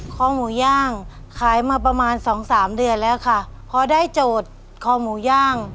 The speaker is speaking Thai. คอหมูย่างขายมาประมาณสองสามเดือนแล้วค่ะพอได้โจทย์คอหมูย่าง